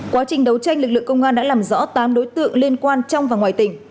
quá trình đấu tranh lực lượng công an đã làm rõ tám đối tượng liên quan trong và ngoài tỉnh